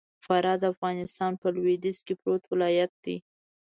فراه د افغانستان په لوېديځ کي پروت ولايت دئ.